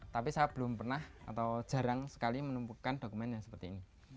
tapi saya belum pernah atau jarang sekali menumpukkan dokumen yang seperti ini